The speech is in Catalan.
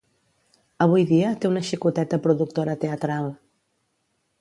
Avui dia té una xicoteta productora teatral.